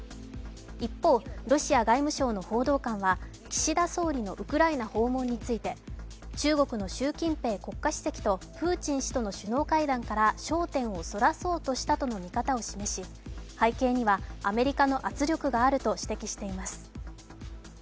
一方、ロシア外務省の報道官は岸田総理のウクライナ訪問について中国の習近平国家主席とプーチン氏との首脳会談から焦点を逸らそうとしたとの見方を示し、背景にはアメリカの圧力があると指摘しています。